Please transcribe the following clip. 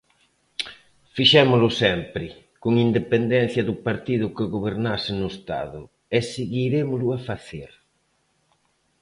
Fixémolo sempre, con independencia do partido que gobernase no Estado, e seguirémolo a facer.